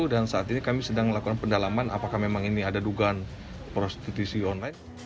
dan saat ini kami sedang melakukan pendalaman apakah memang ini ada dugaan prostitusi online